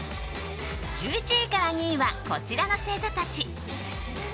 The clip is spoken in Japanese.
１１位から２位はこちらの星座たち。